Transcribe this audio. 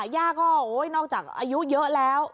ย่าก็นอกจากอายุเยอะแล้ว